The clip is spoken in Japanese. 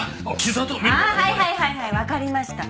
ああはいはいはいはいわかりました。